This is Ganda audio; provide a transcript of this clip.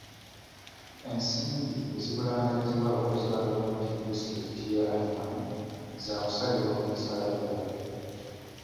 Ensimbi ezibulankanyizibwa abakozi ba gavumenti mu disitulikiti y'e Adjumani za kusalibwa ku misaala gyabwe.